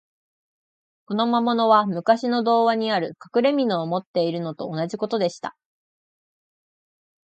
この魔物は、むかしの童話にある、かくれみのを持っているのと同じことでした。